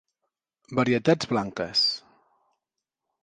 Varietats blanques: